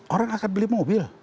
orang akan beli mobil